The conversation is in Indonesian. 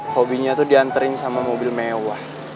hobinya itu dianterin sama mobil mewah